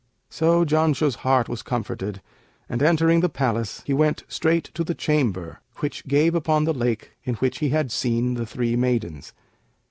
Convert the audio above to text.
So Janshah's heart was comforted and, entering the Palace, he went straight to the chamber which gave upon the Lake in which he had seen the three maidens.